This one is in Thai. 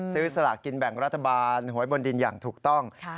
สลากกินแบ่งรัฐบาลหวยบนดินอย่างถูกต้อง